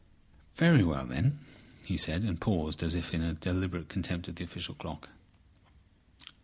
"Very well," he said, and paused, as if in deliberate contempt of the official clock.